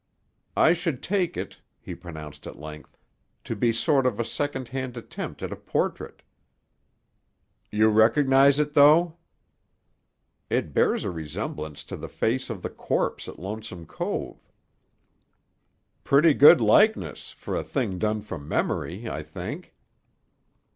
"I should take it," he pronounced at length, "to be a sort of a second hand attempt at a portrait." "You recognize it, though?" "It bears a resemblance to the face of the corpse at Lonesome Cove." "Pretty good likeness, for a thing done from memory, I think."